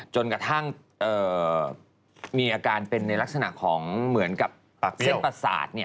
จนกระทั่งมีอาการเป็นในลักษณะของเหมือนกับเส้นประสาท